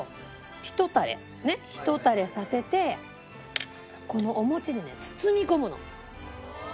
ねっひと垂れさせてこのお餅でね包み込むの。